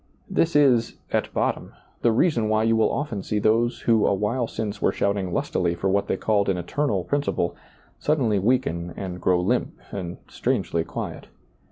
This is, at bottom, the reason why you will often see those who a while since were shouting lustily for what they called an eternal principle, suddenly weaken and grow limp and strangely quiet.